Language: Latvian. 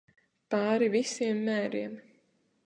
Pāri visiem mēriem.